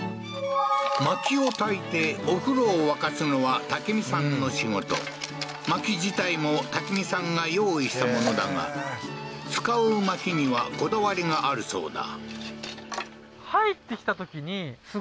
薪を焚いてお風呂を沸かすのは武美さんの仕事薪自体も武美さんが用意したものだが使う薪にはこだわりがあるそうだ